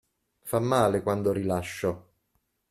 Fa male quando rilascio.